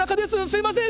すいません！